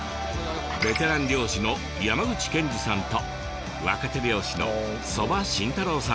ベテラン漁師の山口憲二さんと若手漁師の曽場慎太郎さんです。